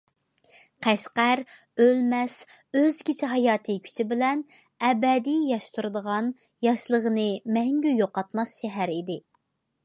قەشقەر ئۆلمەس، ئۆزگىچە ھاياتىي كۈچى بىلەن ئەبەدىي ياش تۇرىدىغان، ياشلىقىنى مەڭگۈ يوقاتماس شەھەر ئىدى.